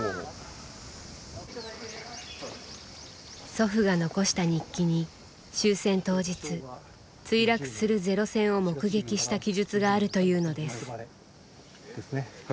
祖父が残した日記に終戦当日墜落するゼロ戦を目撃した記述があるというのです。